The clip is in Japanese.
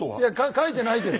書いてないけど。